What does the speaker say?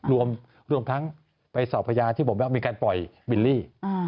รวมทั้งไปสอบพยานที่บอกว่ามีการปล่อยบิลลี่